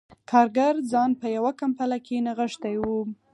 کارګر ځان په یوه کمپله کې نغښتی و